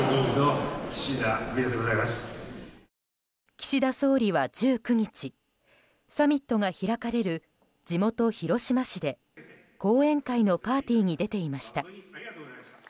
岸田総理は１９日サミットが開かれる地元・広島市で後援会のパーティーに出ていました。